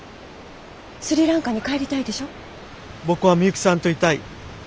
僕はミユキさんといたい。